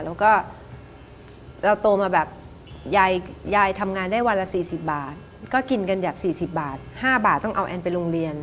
แล้วก็เราโตมาแบบยายทำงานได้วันละ๔๐บาทก็กินกันแบบ๔๐บาท๕บาทต้องเอาแอนไปโรงเรียน